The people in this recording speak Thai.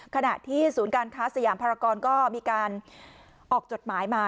ขณะที่ศูนย์การค้าสยามภารกรก็มีการออกจดหมายมา